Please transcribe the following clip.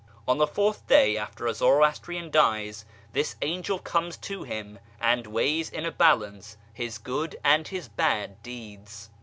On the fourth day after a Zoroastrian dies this angel comes to him, and weighs in a balance his good and his bad deeds.